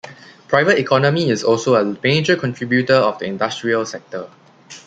Private economy is also a major contributor of the industrial sector.